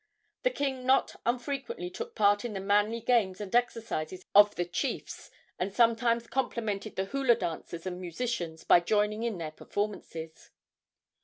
The king not unfrequently took part in the manly games and exercises of the chiefs, and sometimes complimented the hula dancers and musicians by joining in their performances.